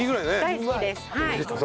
大好きですはい。